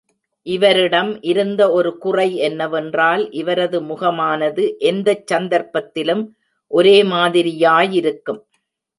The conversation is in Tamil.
இவரிடம் இருந்த ஒரு குறை என்னவென்றால், இவரது முகமானது எந்தச் சந்தர்ப்பத்திலும் ஒரேமாதிரியாயிருக்கும்.